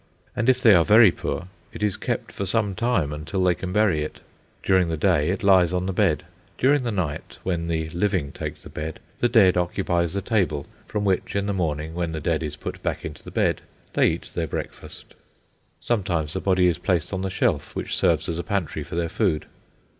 And if they are very poor, it is kept for some time until they can bury it. During the day it lies on the bed; during the night, when the living take the bed, the dead occupies the table, from which, in the morning, when the dead is put back into the bed, they eat their breakfast. Sometimes the body is placed on the shelf which serves as a pantry for their food.